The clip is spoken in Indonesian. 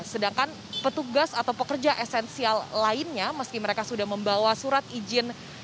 sedangkan petugas atau pekerja esensial lainnya meski mereka sudah membawa surat izin